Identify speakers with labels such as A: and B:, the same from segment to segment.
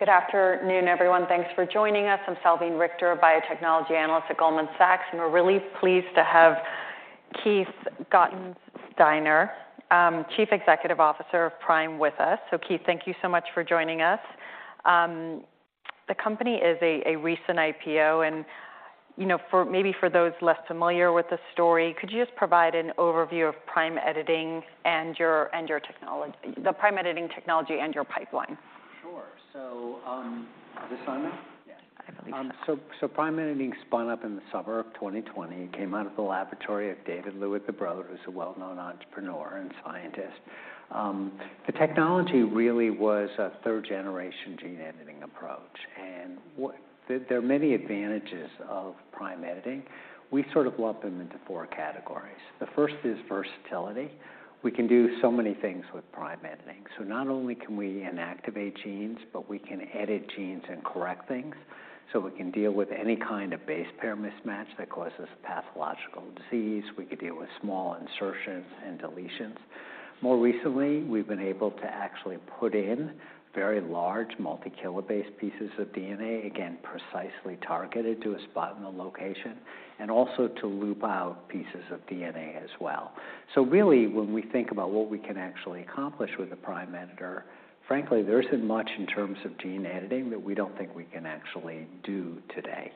A: Good afternoon, everyone. Thanks for joining us. I'm Salveen Richter, a biotechnology analyst at Goldman Sachs. We're really pleased to have Keith Gottesdiener, Chief Executive Officer of Prime, with us. Keith, thank you so much for joining us. The company is a recent IPO, you know, for maybe for those less familiar with the story, could you just provide an overview of Prime Editing and your Prime Editing technology and your pipeline?
B: Sure. Is this on now?
A: Yes, I believe so.
B: Prime Editing spun up in the summer of 2020. It came out of the laboratory of David Liu at Broad, who's a well-known entrepreneur and scientist. The technology really was a third-generation gene editing approach, there are many advantages of Prime Editing. We sort of lump them into four categories. The first is versatility. Not only can we inactivate genes, but we can edit genes and correct things. We can deal with any kind of base-pair mismatch that causes pathological disease. We can deal with small insertions and deletions. More recently, we've been able to actually put in very large multi-kilobase pieces of DNA, again, precisely targeted to a spot in the location, and also to loop out pieces of DNA as well. Really, when we think about what we can actually accomplish with a Prime Editor, frankly, there isn't much in terms of gene editing that we don't think we can actually do today.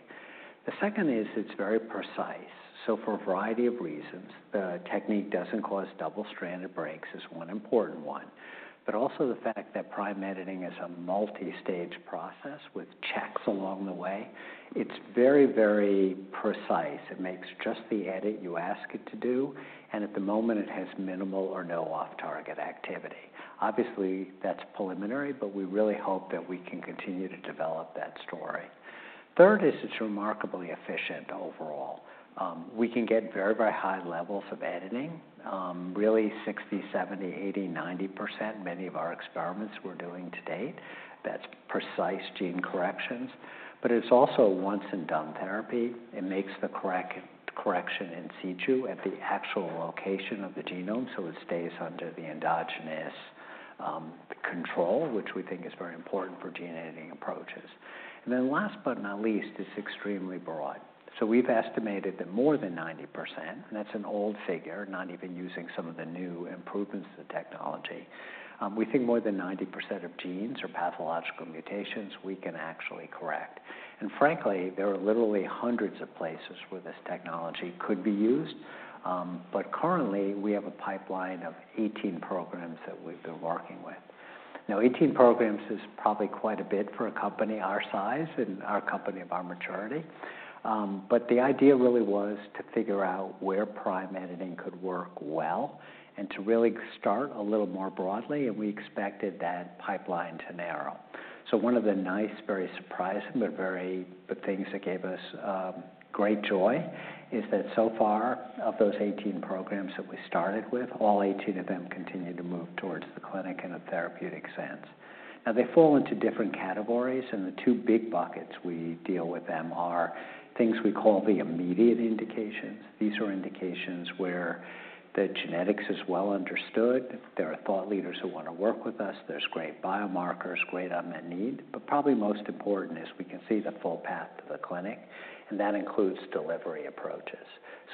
B: The second is, it's very precise. For a variety of reasons, the technique doesn't cause double-stranded breaks, is one important one, but also the fact that Prime Editing is a multi-stage process with checks along the way. It's very, very precise. It makes just the edit you ask it to do, and at the moment, it has minimal or no off-target activity. Obviously, that's preliminary, but we really hope that we can continue to develop that story. Third is, it's remarkably efficient overall. We can get very, very high levels of editing, really 60%, 70%, 80%, 90%. Many of our experiments we're doing to date, that's precise gene corrections, but it's also a once-and-done therapy. It makes the correction in situ at the actual location of the genome, so it stays under the endogenous control, which we think is very important for gene editing approaches. Last but not least, it's extremely broad. We've estimated that more than 90%, and that's an old figure, not even using some of the new improvements to the technology, we think more than 90% of genes or pathological mutations we can actually correct. Frankly, there are literally hundreds of places where this technology could be used, currently, we have a pipeline of 18 programs that we've been working with. 18 programs is probably quite a bit for a company our size and a company of our maturity, but the idea really was to figure out where Prime Editing could work well and to really start a little more broadly, and we expected that pipeline to narrow. One of the nice, very surprising, but things that gave us great joy is that so far, of those 18 programs that we started with, all 18 of them continue to move towards the clinic in a therapeutic sense. They fall into different categories, and the two big buckets we deal with them are things we call the immediate indications. These are indications where the genetics is well understood. There are thought leaders who want to work with us. There's great biomarkers, great unmet need, but probably most important is we can see the full path to the clinic, and that includes delivery approaches.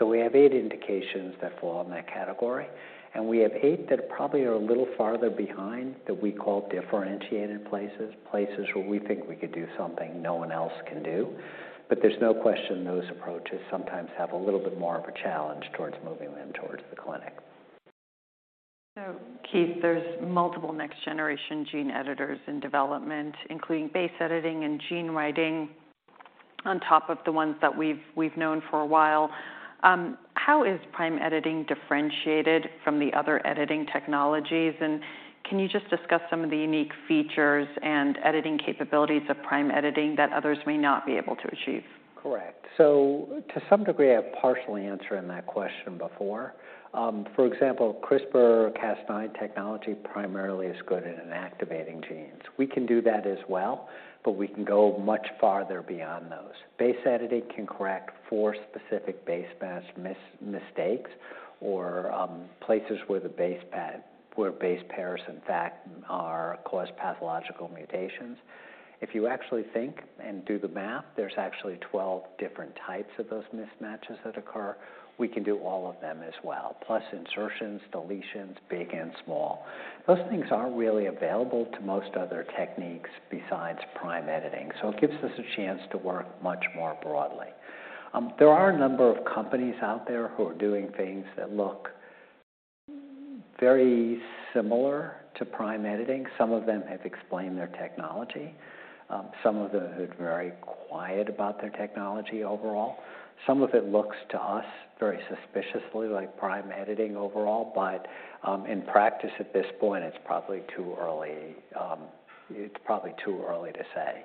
B: We have eight indications that fall in that category, and we have eight that probably are a little farther behind that we call differentiated places where we think we could do something no one else can do. There's no question those approaches sometimes have a little bit more of a challenge towards moving them towards the clinic.
A: Keith, there's multiple next-generation gene editors in development, including base editing and Prime Editing, on top of the ones that we've known for a while. How is Prime Editing differentiated from the other editing technologies, and can you just discuss some of the unique features and editing capabilities of Prime Editing that others may not be able to achieve?
B: Correct. To some degree, I partially answered that question before. For example, CRISPR-Cas9 technology primarily is good at inactivating genes. We can do that as well, but we can go much farther beyond those. Base editing can correct four specific base pair mistakes or places where base pairs, in fact, are... cause pathological mutations. If you actually think and do the math, there's actually 12 different types of those mismatches that occur. We can do all of them as well, plus insertions, deletions, big and small. Those things aren't really available to most other techniques besides Prime Editing, it gives us a chance to work much more broadly. There are a number of companies out there who are doing things that look very similar to Prime Editing. Some of them have explained their technology. Some of them are very quiet about their technology overall. Some of it looks to us very suspiciously like Prime Editing overall, in practice at this point, it's probably too early to say.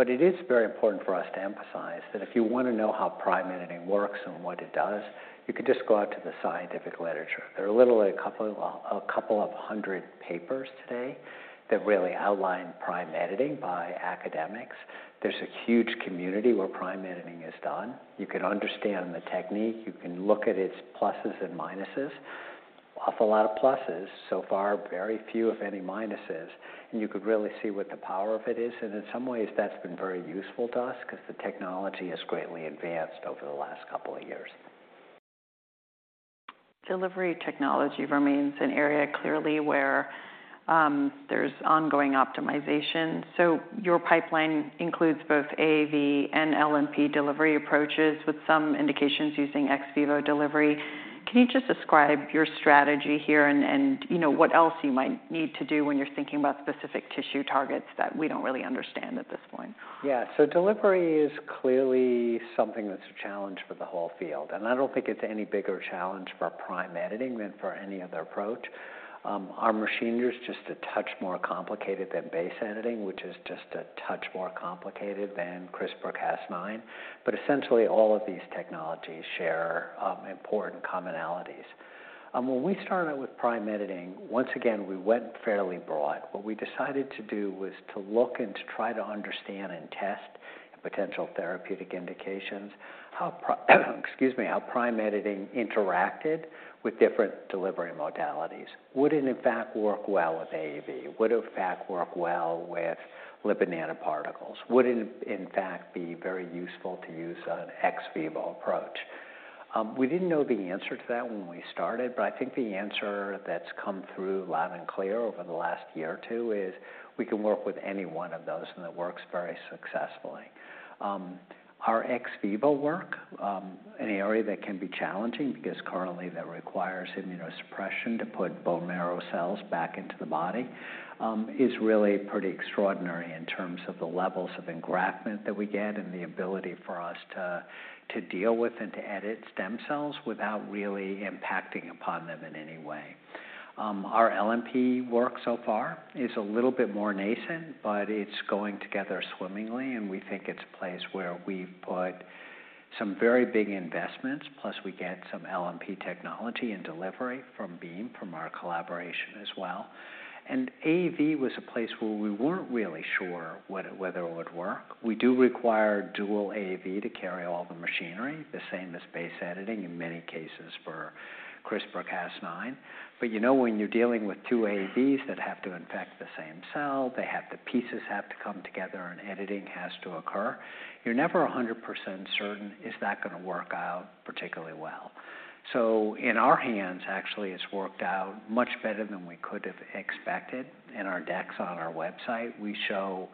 B: It is very important for us to emphasize that if you want to know how Prime Editing works and what it does, you could just go out to the scientific literature. There are literally a couple of hundred papers today that really outline Prime Editing by academics. There's a huge community where Prime Editing is done. You can understand the technique. You can look at its pluses and minuses. A lot of pluses so far, very few, if any, minuses, and you could really see what the power of it is. In some ways, that's been very useful to us because the technology has greatly advanced over the last couple of years.
A: Delivery technology remains an area clearly where, there's ongoing optimization. Your pipeline includes both AAV and LNP delivery approaches, with some indications using ex vivo delivery. Can you just describe your strategy here and, you know, what else you might need to do when you're thinking about specific tissue targets that we don't really understand at this point?
B: Yeah. Delivery is clearly something that's a challenge for the whole field, and I don't think it's any bigger challenge for Prime Editing than for any other approach. Our machinery is just a touch more complicated than base editing, which is just a touch more complicated than CRISPR-Cas9, but essentially all of these technologies share important commonalities. When we started with Prime Editing, once again, we went fairly broad. What we decided to do was to look and to try to understand and test potential therapeutic indications, excuse me, how Prime Editing interacted with different delivery modalities. Would it, in fact, work well with AAV? Would it, in fact, work well with lipid nanoparticles? Would it, in fact, be very useful to use an ex vivo approach? We didn't know the answer to that when we started, but I think the answer that's come through loud and clear over the last year or two is we can work with any one of those, and it works very successfully. Our ex vivo work, an area that can be challenging because currently that requires immunosuppression to put bone marrow cells back into the body, is really pretty extraordinary in terms of the levels of engraftment that we get and the ability for us to deal with and to edit stem cells without really impacting upon them in any way. Our LNP work so far is a little bit more nascent, but it's going together swimmingly, and we think it's a place where we've put some very big investments, plus we get some LNP technology and delivery from Beam, from our collaboration as well. AAV was a place where we weren't really sure whether it would work. We do require dual AAV to carry all the machinery, the same as base editing in many cases for CRISPR-Cas9. You know, when you're dealing with two AAVs that have to infect the same cell, pieces have to come together and editing has to occur, you're never 100% certain, is that going to work out particularly well? In our hands, actually, it's worked out much better than we could have expected. In our decks on our website, we show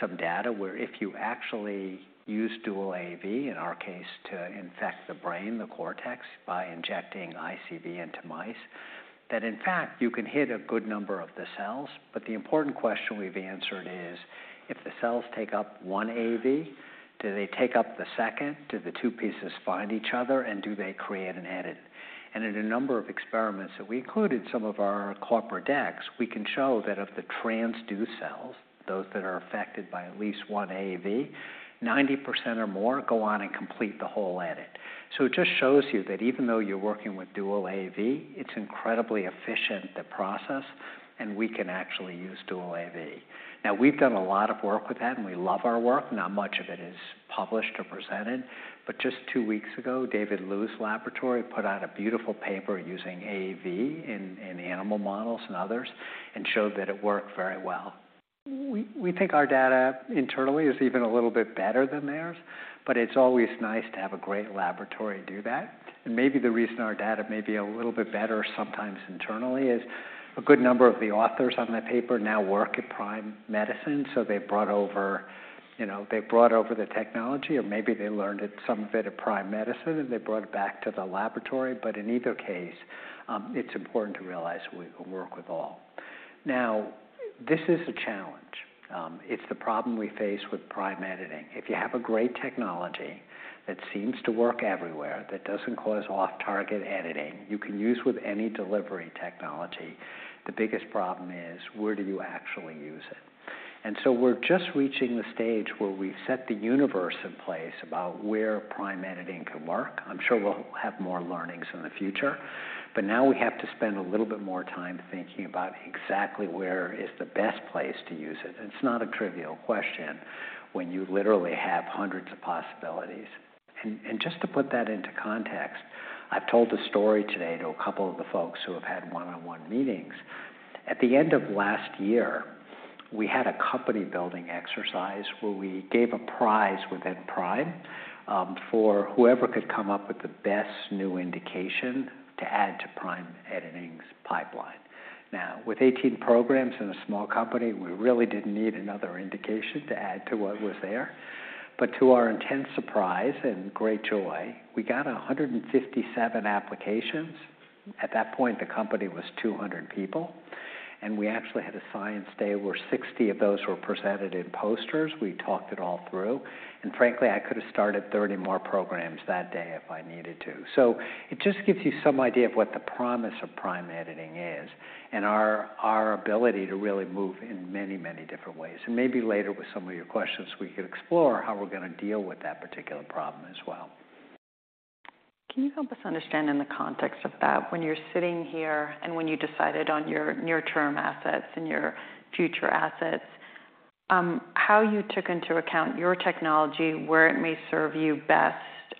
B: some data where if you actually use dual AAV, in our case, to infect the brain, the cortex, by injecting ICV into mice, that in fact, you can hit a good number of the cells. The important question we've answered is: If the cells take up one AAV, do they take up the second? Do the two pieces find each other, and do they create an edit? In a number of experiments that we included some of our corporate decks, we can show that of the transduced cells, those that are affected by at least one AAV, 90% or more go on and complete the whole edit. It just shows you that even though you're working with dual AAV, it's incredibly efficient, the process, and we can actually use dual AAV. We've done a lot of work with that, and we love our work. Not much of it is published or presented, but just two weeks ago, David R. Liu's laboratory put out a beautiful paper using AAV in animal models and others, and showed that it worked very well. We think our data internally is even a little bit better than theirs, but it's always nice to have a great laboratory do that. Maybe the reason our data may be a little bit better sometimes internally is a good number of the authors on that paper now work at Prime Medicine, so they brought over, you know, they brought over the technology, or maybe they learned it some bit at Prime Medicine, and they brought it back to the laboratory. In either case, it's important to realize we work with all. Now, this is a challenge. It's the problem we face with Prime Editing. If you have a great technology that seems to work everywhere, that doesn't cause off-target editing, you can use with any delivery technology, the biggest problem is: Where do you actually use it? We're just reaching the stage where we've set the universe in place about where Prime Editing can work. I'm sure we'll have more learnings in the future, but now we have to spend a little bit more time thinking about exactly where is the best place to use it. It's not a trivial question when you literally have hundreds of possibilities. Just to put that into context, I've told this story today to a couple of the folks who have had one-on-one meetings. At the end of last year, we had a company-building exercise where we gave a prize within Prime for whoever could come up with the best new indication to add to Prime Editing's pipeline. With 18 programs in a small company, we really didn't need another indication to add to what was there, to our intense surprise and great joy, we got 157 applications. At that point, the company was 200 people, and we actually had a science day where 60 of those were presented in posters. We talked it all through, and frankly, I could have started 30 more programs that day if I needed to. It just gives you some idea of what the promise of Prime Editing is and our ability to really move in many, many different ways. Maybe later with some of your questions, we could explore how we're going to deal with that particular problem as well.
A: Can you help us understand in the context of that, when you're sitting here and when you decided on your near-term assets and your future assets, how you took into account your technology, where it may serve you best,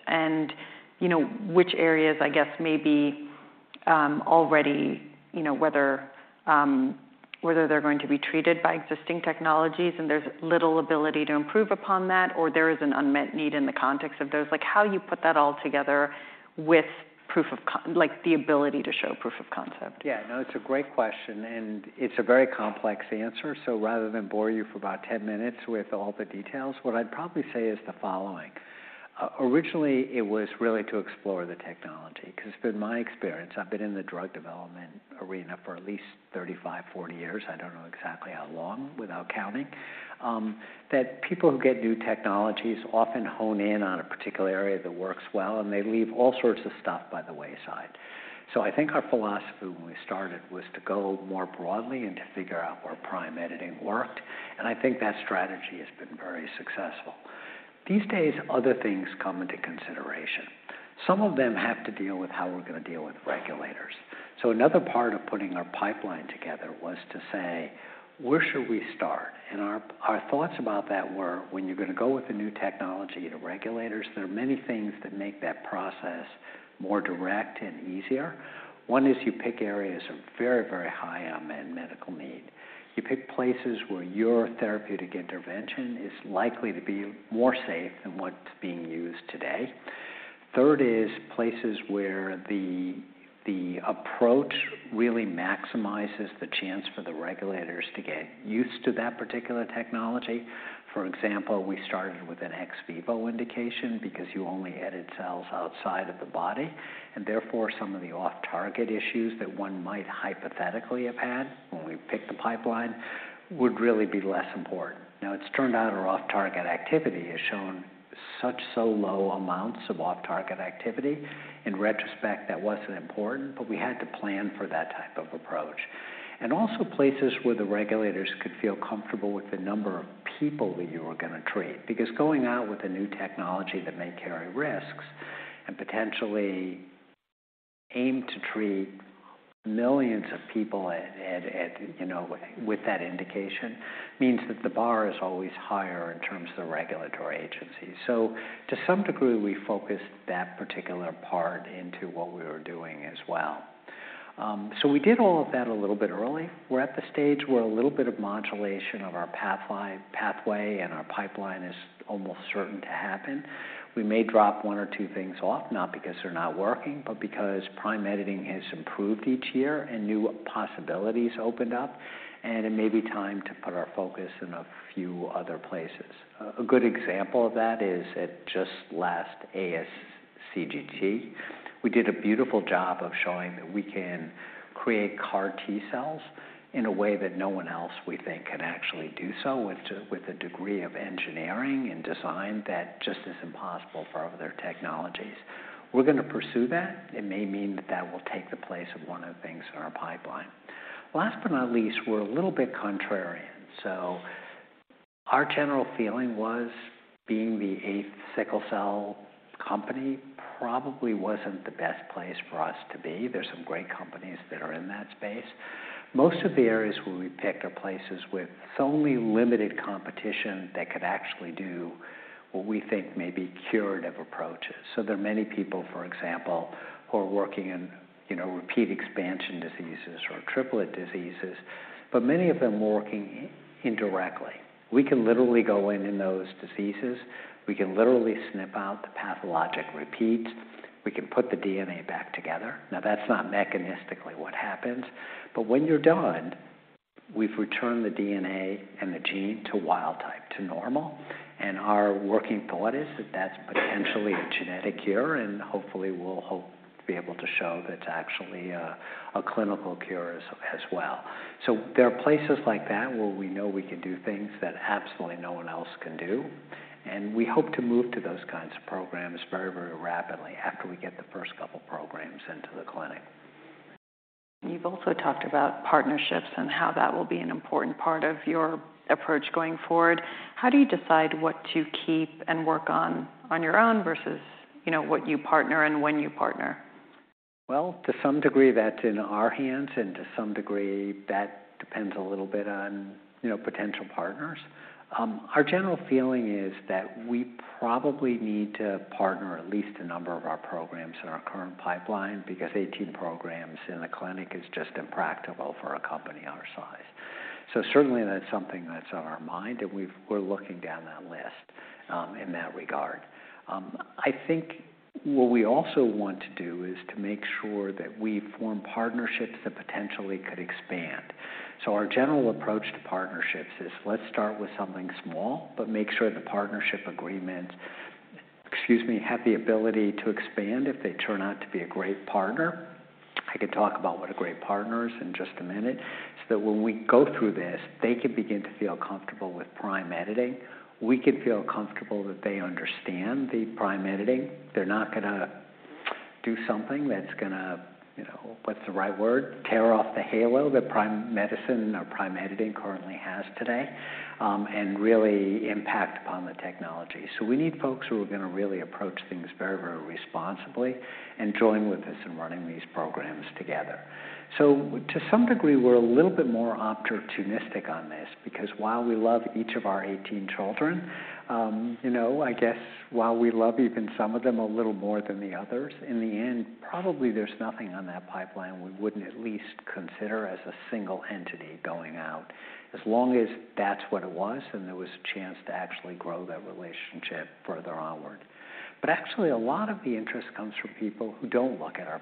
A: and, you know, which areas, I guess, may be, already, you know, whether they're going to be treated by existing technologies and there's little ability to improve upon that, or there is an unmet need in the context of those. Like, how you put that all together with like, the ability to show proof of concept?
B: Yeah. No, it's a great question, and it's a very complex answer, so rather than bore you for about 10 minutes with all the details, what I'd probably say is the following: Originally, it was really to explore the technology, 'cause from my experience, I've been in the drug development arena for at least 35, 40 years, I don't know exactly how long without counting, that people who get new technologies often hone in on a particular area that works well, and they leave all sorts of stuff by the wayside. I think our philosophy when we started was to go more broadly and to figure out where Prime Editing worked, and I think that strategy has been very successful. These days, other things come into consideration. Some of them have to deal with how we're going to deal with regulators. Another part of putting our pipeline together was to say, "Where should we start?" Our thoughts about that were, when you're going to go with a new technology to regulators, there are many things that make that process more direct and easier. One is you pick areas of very high unmet medical need. You pick places where your therapeutic intervention is likely to be more safe than what's being used today. Third is places where the approach really maximizes the chance for the regulators to get used to that particular technology. For example, we started with an ex vivo indication because you only edited cells outside of the body, and therefore, some of the off-target issues that one might hypothetically have had when we picked the pipeline would really be less important. Now, it's turned out our off-target activity has shown such so low amounts of off-target activity, in retrospect, that wasn't important, but we had to plan for that type of approach. Also places where the regulators could feel comfortable with the number of people that you were going to treat, because going out with a new technology that may carry risks and potentially aim to treat millions of people at, you know, with that indication, means that the bar is always higher in terms of the regulatory agencies. To some degree, we focused that particular part into what we were doing as well. We did all of that a little bit early. We're at the stage where a little bit of modulation of our pathway and our pipeline is almost certain to happen. We may drop one or two things off, not because they're not working, but because Prime Editing has improved each year and new possibilities opened up, and it may be time to put our focus in a few other places. A good example of that is at just last ASGCT, we did a beautiful job of showing that we can create CAR T cells in a way that no one else, we think, can actually do so, with a degree of engineering and design that just is impossible for other technologies. We're going to pursue that. It may mean that will take the place of one of the things in our pipeline. Last but not least, we're a little bit contrarian. Our general feeling was being the eighth sickle cell company probably wasn't the best place for us to be. There's some great companies that are in that space. Most of the areas where we've picked are places with only limited competition that could actually do what we think may be curative approaches. There are many people, for example, who are working in, you know, repeat expansion diseases or triplet diseases, but many of them were working indirectly. We can literally go in those diseases, we can literally snip out the pathologic repeats, we can put the DNA back together. Now, that's not mechanistically what happens, but when you're done, we've returned the DNA and the gene to wild type, to normal, and our working thought is that that's potentially a genetic cure, and hopefully, we'll hope to be able to show that it's actually a clinical cure as well. There are places like that where we know we can do things that absolutely no one else can do, and we hope to move to those kinds of programs very, very rapidly after we get the first couple programs into the clinic.
A: You've also talked about partnerships and how that will be an important part of your approach going forward. How do you decide what to keep and work on on your own versus, you know, what you partner and when you partner?
B: Well, to some degree, that's in our hands, and to some degree, that depends a little bit on, you know, potential partners. Our general feeling is that we probably need to partner at least a number of our programs in our current pipeline, because 18 programs in the clinic is just impractical for a company our size. Certainly, that's something that's on our mind, and we're looking down that list, in that regard. I think what we also want to do is to make sure that we form partnerships that potentially could expand. Our general approach to partnerships is, let's start with something small, but make sure the partnership agreements, excuse me, have the ability to expand if they turn out to be a great partner. I could talk about what a great partner is in just a minute. That when we go through this, they can begin to feel comfortable with Prime Editing. We could feel comfortable that they understand the Prime Editing. They're not going to do something that's going to, you know, what's the right word? Tear off the halo that Prime Medicine or Prime Editing currently has today, and really impact upon the technology. We need folks who are going to really approach things very, very responsibly and join with us in running these programs together. To some degree, we're a little bit more opportunistic on this, because while we love each of our 18 children, you know, I guess while we love even some of them a little more than the others, in the end, probably there's nothing on that pipeline we wouldn't at least consider as a single entity going out, as long as that's what it was and there was a chance to actually grow that relationship further onward. Actually, a lot of the interest comes from people who don't look at our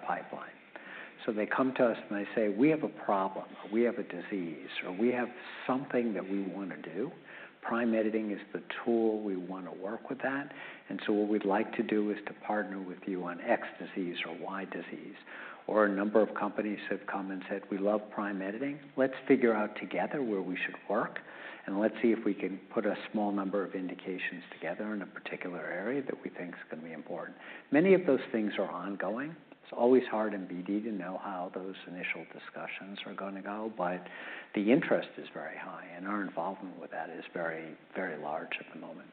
B: pipeline. They come to us and they say, "We have a problem, or we have a disease, or we have something that we want to do. Prime Editing is the tool we want to work with that, and so what we'd like to do is to partner with you on X disease or Y disease. A number of companies have come and said, "We love Prime Editing. Let's figure out together where we should work, and let's see if we can put a small number of indications together in a particular area that we think is going to be important." Many of those things are ongoing. It's always hard in BD to know how those initial discussions are going to go, but the interest is very high, and our involvement with that is very large at the moment.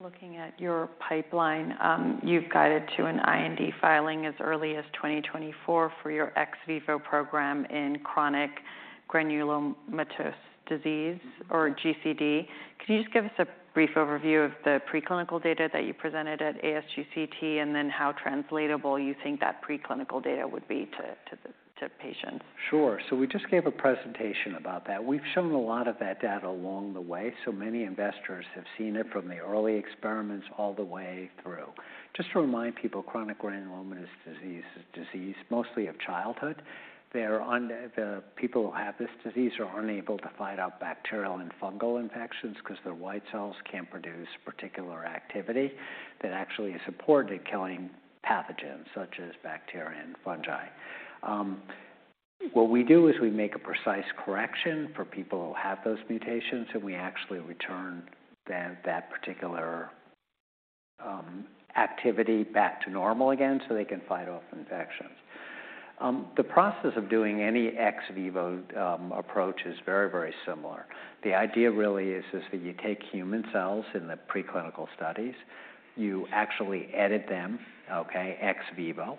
A: Looking at your pipeline, you've guided to an IND filing as early as 2024 for your ex vivo program in chronic granulomatous disease or CGD. Can you just give us a brief overview of the preclinical data that you presented at ASGCT, and then how translatable you think that preclinical data would be to patients?
B: Sure. We just gave a presentation about that. We've shown a lot of that data along the way, many investors have seen it from the early experiments all the way through. Just to remind people, chronic granulomatous disease is a disease mostly of childhood. The people who have this disease are unable to fight off bacterial and fungal infections because their white cells can't produce particular activity that actually is important in killing pathogens such as bacteria and fungi. What we do is we make a precise correction for people who have those mutations, and we actually return that particular activity back to normal again, so they can fight off infections. The process of doing any ex vivo approach is very, very similar. The idea really is that you take human cells in the preclinical studies, you actually edit them, okay, ex vivo,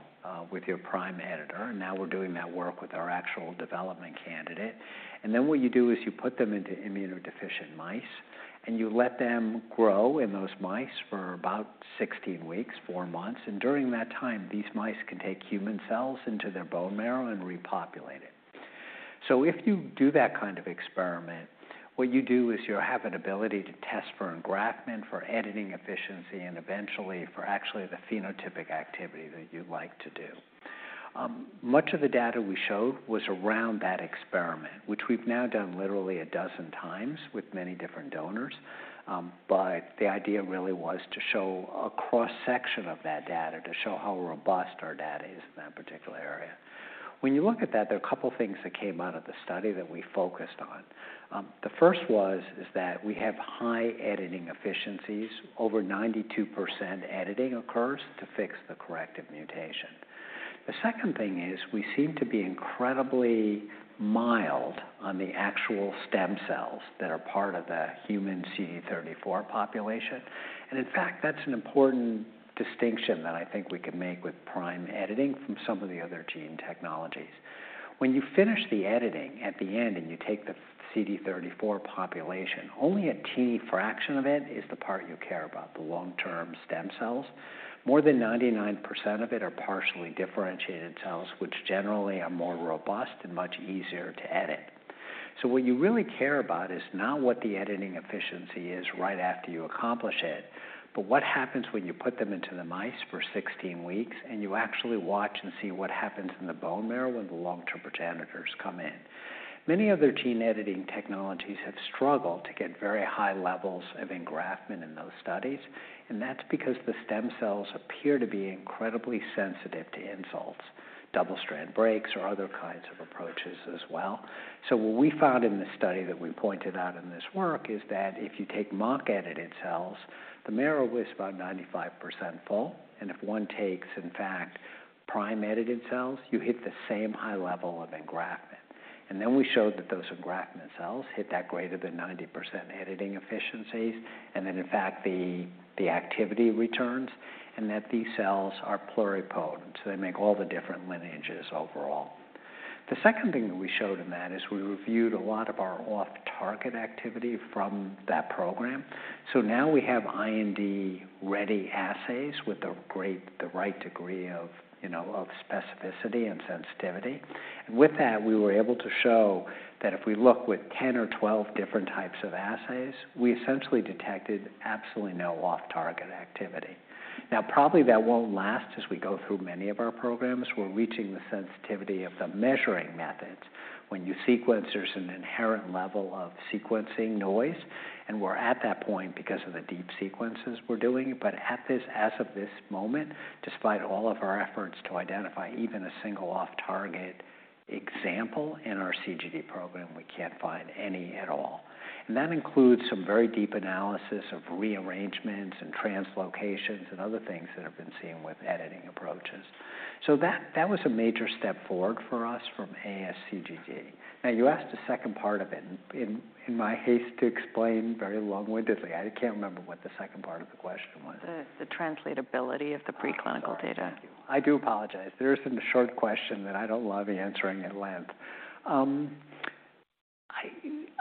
B: with your Prime Editor. Now we're doing that work with our actual development candidate. What you do is you put them into immunodeficient mice, and you let them grow in those mice for about 16 weeks, four months, and during that time, these mice can take human cells into their bone marrow and repopulate it. If you do that kind of experiment, what you do is you have an ability to test for engraftment, for editing efficiency, and eventually for actually the phenotypic activity that you'd like to do. Much of the data we showed was around that experiment, which we've now done literally a dozen times with many different donors. The idea really was to show a cross-section of that data, to show how robust our data is in that particular area. When you look at that, there are a couple of things that came out of the study that we focused on. The first was, is that we have high editing efficiencies. Over 92% editing occurs to fix the corrective mutation. The second thing is we seem to be incredibly mild on the actual stem cells that are part of the human CD34 population, and in fact, that's an important distinction that I think we can make with Prime Editing from some of the other gene technologies. When you finish the editing at the end and you take the CD34 population, only a key fraction of it is the part you care about, the long-term stem cells. More than 99% of it are partially differentiated cells, which generally are more robust and much easier to edit. What you really care about is not what the editing efficiency is right after you accomplish it, but what happens when you put them into the mice for 16 weeks and you actually watch and see what happens in the bone marrow when the long-term progenitors come in. Many other gene editing technologies have struggled to get very high levels of engraftment in those studies, and that's because the stem cells appear to be incredibly sensitive to insults, double-stranded breaks, or other kinds of approaches as well. What we found in the study that we pointed out in this work is that if you take mock-edited cells, the marrow was about 95% full, and if one takes, in fact, Prime-edited cells, you hit the same high level of engraftment. Then we showed that those engraftment cells hit that greater than 90% editing efficiencies, and that in fact, the activity returns and that these cells are pluripotent, so they make all the different lineages overall. The second thing that we showed in that is we reviewed a lot of our off-target activity from that program. Now we have IND-ready assays with the right degree of, you know, of specificity and sensitivity. With that, we were able to show that if we look with 10 or 12 different types of assays, we essentially detected absolutely no off-target activity. Probably that won't last as we go through many of our programs. We're reaching the sensitivity of the measuring methods. When you sequence, there's an inherent level of sequencing noise, and we're at that point because of the deep sequences we're doing. As of this moment, despite all of our efforts to identify even a single off-target example in our CGD program, we can't find any at all. That includes some very deep analysis of rearrangements and translocations and other things that have been seen with editing approaches. That was a major step forward for us from ASGCT. You asked the second part of it in my haste to explain very long-windedly, I can't remember what the second part of the question was.
A: The translatability of the preclinical data.
B: I do apologize. There is some short question that I don't love answering at length.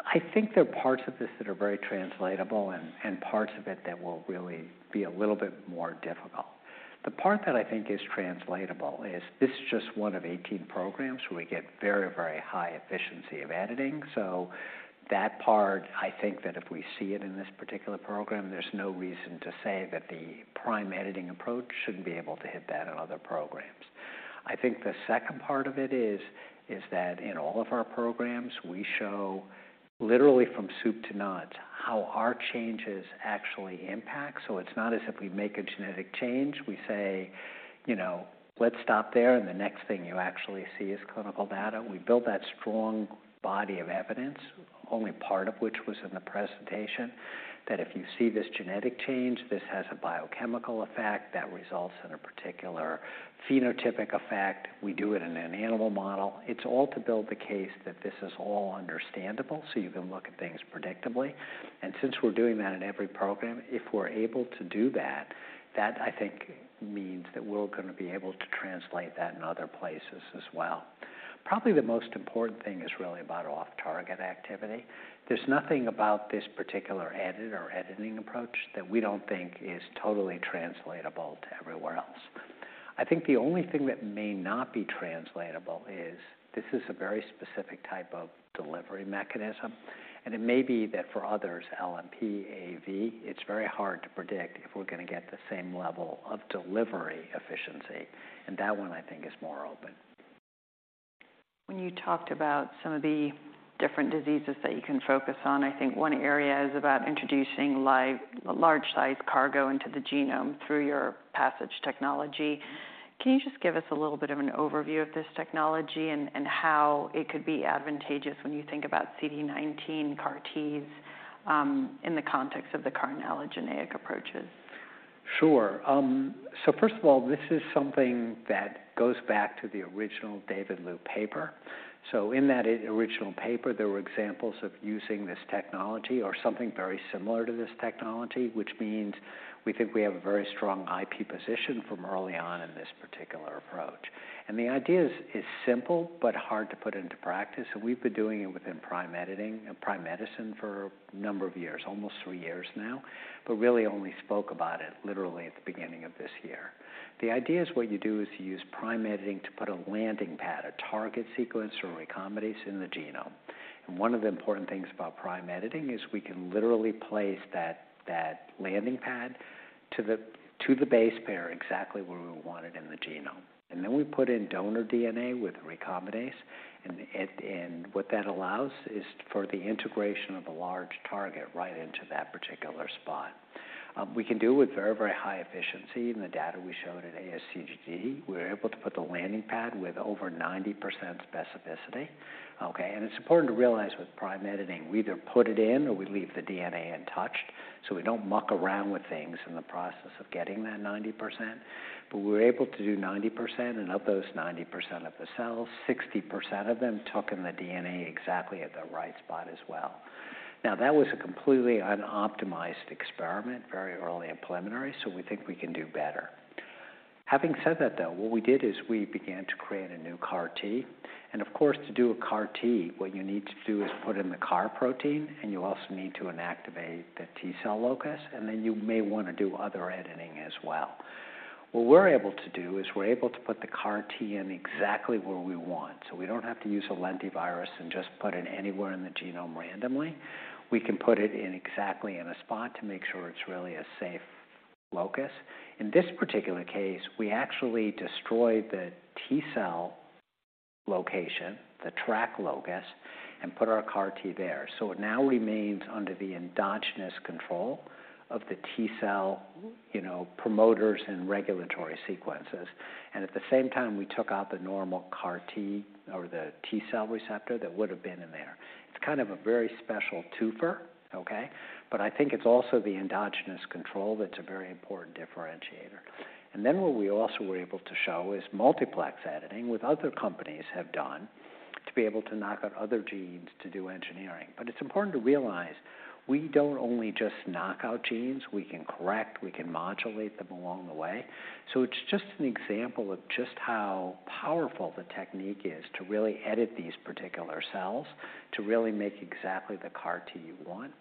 B: I think there are parts of this that are very translatable and parts of it that will really be a little bit more difficult. The part that I think is translatable is this is just 1 of 18 programs where we get very high efficiency of editing. That part, I think that if we see it in this particular program, there's no reason to say that the Prime Editing approach shouldn't be able to hit that in other programs. I think the second part of it is that in all of our programs, we show literally from soup to nuts how our changes actually impact. It's not as if we make a genetic change, we say, you know, "Let's stop there," and the next thing you actually see is clinical data. We build that strong body of evidence, only part of which was in the presentation, that if you see this genetic change, this has a biochemical effect that results in a particular phenotypic effect. We do it in an animal model. It's all to build the case that this is all understandable, so you can look at things predictably. Since we're doing that in every program, if we're able to do that I think means that we're gonna be able to translate that in other places as well. Probably the most important thing is really about off-target activity. There's nothing about this particular edit or editing approach that we don't think is totally translatable to everywhere else. I think the only thing that may not be translatable is this is a very specific type of delivery mechanism. It may be that for others, LNP, AAV, it's very hard to predict if we're gonna get the same level of delivery efficiency. That one, I think, is more open.
A: When you talked about some of the different diseases that you can focus on, I think one area is about introducing large-sized cargo into the genome through your PASSIGE technology. Can you just give us a little bit of an overview of this technology and how it could be advantageous when you think about CD19 CAR Ts in the context of the CAR-T genetic approaches?
B: Sure. First of all, this is something that goes back to the original David Liu paper. In that original paper, there were examples of using this technology or something very similar to this technology, which means we think we have a very strong IP position from early on in this particular approach. The idea is simple but hard to put into practice, and we've been doing it within Prime Editing and Prime Medicine for a number of years, almost three years now, but really only spoke about it literally at the beginning of this year. The idea is what you do is you use Prime Editing to put a landing pad, a target sequence, or recombinase in the genome. One of the important things about Prime Editing is we can literally place that landing pad to the base pair exactly where we want it in the genome, and then we put in donor DNA with recombinase, and what that allows is for the integration of a large target right into that particular spot. We can do it with very, very high efficiency in the data we showed at ASGCT. We're able to put the landing pad with over 90% specificity, okay? It's important to realize with Prime Editing, we either put it in or we leave the DNA untouched, so we don't muck around with things in the process of getting that 90%. We're able to do 90%, and of those 90% of the cells, 60% of them took in the DNA exactly at the right spot as well. That was a completely unoptimized experiment, very early and preliminary. We think we can do better. Having said that, though, what we did is we began to create a new CAR T. Of course, to do a CAR T, what you need to do is put in the CAR protein, and you also need to inactivate the T-cell locus, and then you may want to do other editing as well. We're able to do is we're able to put the CAR T in exactly where we want, so we don't have to use a lentivirus and just put it anywhere in the genome randomly. We can put it in exactly in a spot to make sure it's really a safe locus. In this particular case, we actually destroyed the T cell location, the TRAC locus, and put our CAR T there. It now remains under the endogenous control of the T cell, you know, promoters and regulatory sequences, and at the same time, we took out the normal CAR T or the T cell receptor that would have been in there. It's kind of a very special twofer, okay? I think it's also the endogenous control that's a very important differentiator. What we also were able to show is multiplex editing, with other companies have done to be able to knock out other genes to do engineering. It's important to realize we don't only just knock out genes, we can correct, we can modulate them along the way. It's just an example of just how powerful the technique is to really edit these particular cells, to really make exactly the CAR T you want.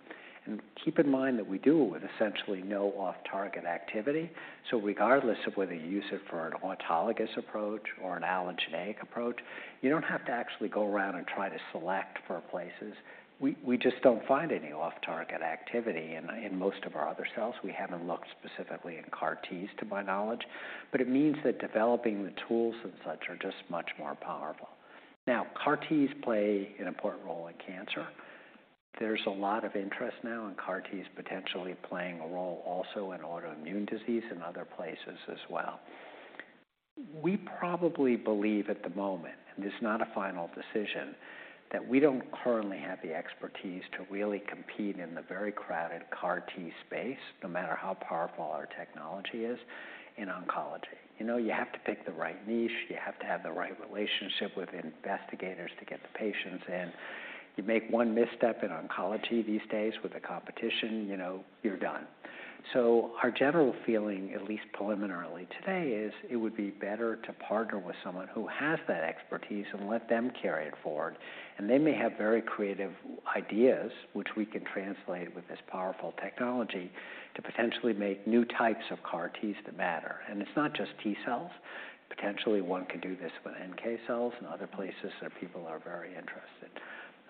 B: Keep in mind that we do it with essentially no off-target activity. Regardless of whether you use it for an autologous approach or an allogeneic approach, you don't have to actually go around and try to select for places. We just don't find any off-target activity in most of our other cells. We haven't looked specifically in CAR Ts, to my knowledge, but it means that developing the tools and such are just much more powerful. CAR Ts play an important role in cancer. There's a lot of interest now in CAR Ts potentially playing a role also in autoimmune disease and other places as well. We probably believe at the moment, and this is not a final decision, that we don't currently have the expertise to really compete in the very crowded CAR T space, no matter how powerful our technology is in oncology. You know, you have to pick the right niche, you have to have the right relationship with investigators to get the patients, and you make one misstep in oncology these days with the competition, you know, you're done. Our general feeling, at least preliminarily today, is it would be better to partner with someone who has that expertise and let them carry it forward, and they may have very creative ideas, which we can translate with this powerful technology to potentially make new types of CAR Ts that matter. It's not just T cells. Potentially, one could do this with NK cells and other places that people are very interested.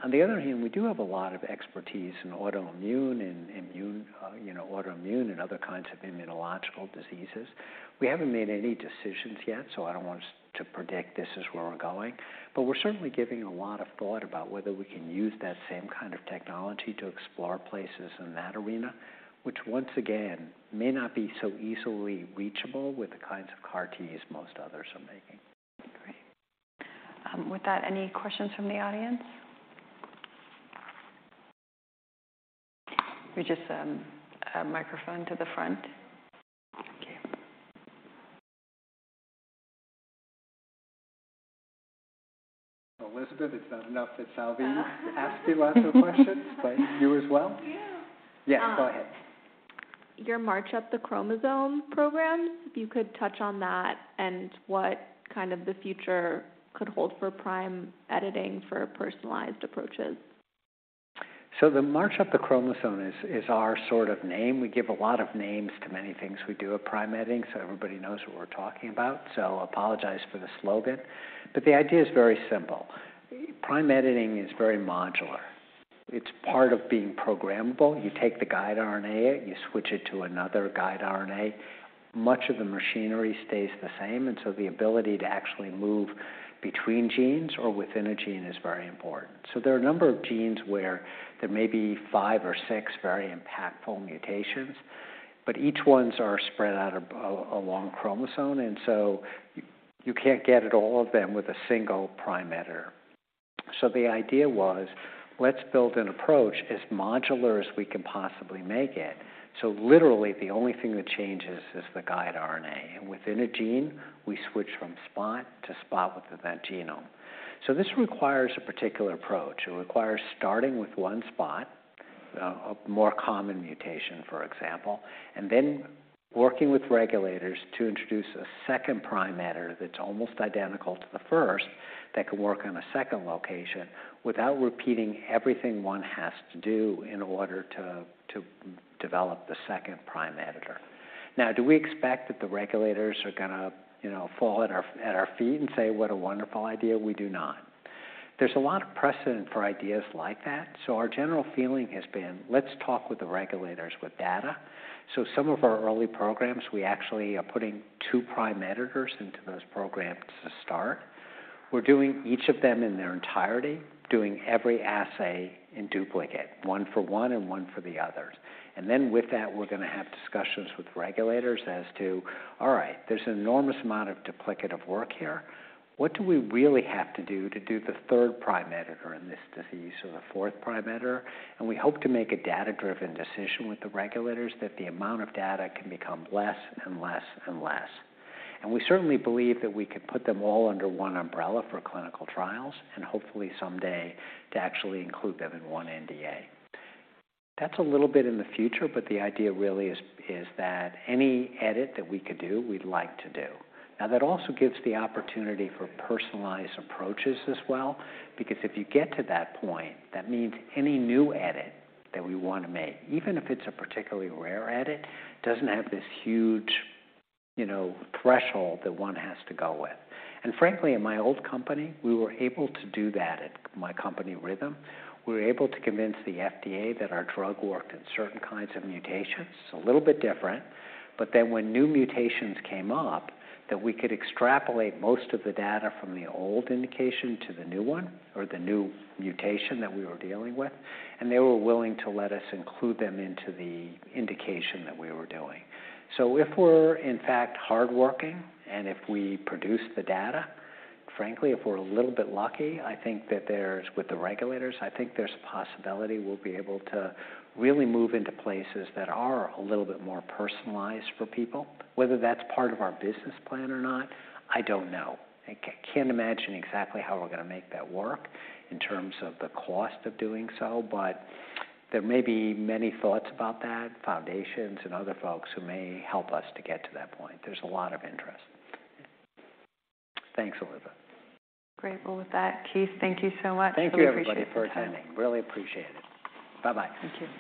B: On the other hand, we do have a lot of expertise in autoimmune and immune, you know, other kinds of immunological diseases. We haven't made any decisions yet, so I don't want us to predict this is where we're going, but we're certainly giving a lot of thought about whether we can use that same kind of technology to explore places in that arena, which once again, may not be so easily reachable with the kinds of CAR Ts most others are making.
A: Great. With that, any questions from the audience? We just have microphone to the front. Thank you.
B: Elizabeth, it's not enough that Salvi asked you lots of questions, but you as well?
C: Yeah.
B: Yeah, go ahead.
C: Your march up the chromosome programs, if you could touch on that and what kind of the future could hold for Prime Editing for personalized approaches.
B: The March up the chromosome is our sort of name. We give a lot of names to many things we do at Prime Editing, so everybody knows what we're talking about, so apologize for the slogan, but the idea is very simple. Prime Editing is very modular. It's part of being programmable. You take the guide RNA, you switch it to another guide RNA. Much of the machinery stays the same, and so the ability to actually move between genes or within a gene is very important. There are a number of genes where there may be five or six very impactful mutations, but each ones are spread out along chromosome, and so you can't get at all of them with a single Prime editor. The idea was, let's build an approach as modular as we can possibly make it, so literally, the only thing that changes is the guide RNA, and within a gene, we switch from spot to spot within that genome. This requires a particular approach. It requires starting with one spot, a more common mutation, for example, and then working with regulators to introduce a second prime editor that's almost identical to the first, that can work on a second location without repeating everything one has to do in order to develop the second prime editor. Now, do we expect that the regulators are gonna, you know, fall at our feet and say, "What a wonderful idea?" We do not. There's a lot of precedent for ideas like that, so our general feeling has been, let's talk with the regulators with data. Some of our early programs, we actually are putting two Prime Editors into those programs to start. We're doing each of them in their entirety, doing every assay in duplicate, one for one and one for the others. With that, we're gonna have discussions with regulators as to, all right, there's an enormous amount of duplicative work here. What do we really have to do to do the third Prime Editor in this disease, or the fourth Prime Editor? We hope to make a data-driven decision with the regulators that the amount of data can become less and less and less. We certainly believe that we could put them all under one umbrella for clinical trials, and hopefully someday to actually include them in one NDA. That's a little bit in the future, but the idea really is that any edit that we could do, we'd like to do. Now, that also gives the opportunity for personalized approaches as well, because if you get to that point, that means any new edit that we want to make, even if it's a particularly rare edit, doesn't have this huge, you know, threshold that one has to go with. Frankly, in my old company, we were able to do that. At my company, Rhythm, we were able to convince the FDA that our drug worked in certain kinds of mutations, a little bit different, but then when new mutations came up, that we could extrapolate most of the data from the old indication to the new one, or the new mutation that we were dealing with, and they were willing to let us include them into the indication that we were doing. If we're, in fact, hardworking, and if we produce the data, frankly, if we're a little bit lucky, with the regulators, I think there's a possibility we'll be able to really move into places that are a little bit more personalized for people. Whether that's part of our business plan or not, I don't know. I can't imagine exactly how we're gonna make that work in terms of the cost of doing so. There may be many thoughts about that, foundations and other folks who may help us to get to that point. There's a lot of interest. Thanks, Elizabeth.
A: Great. Well, with that, Keith, thank you so much.
B: Thank you, everybody, for attending.
A: Really appreciate your time.
B: Really appreciate it. Bye-bye.
A: Thank you.